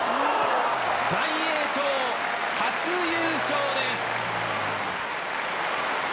大栄翔、初優勝です。